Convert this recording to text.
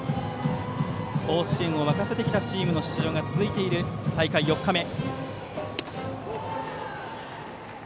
甲子園を沸かせてきたチームの出場が続いている大会４日目。